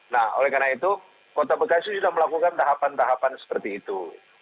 nah oleh karena itu kota bekasi sudah melakukan tahapan tahapan seperti itu